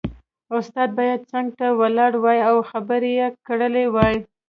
استاد باید څنګ ته ولاړ وای او خبرې یې کړې وای